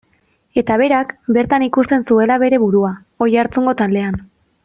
Eta berak, bertan ikusten zuela bere burua, Oiartzungo taldean.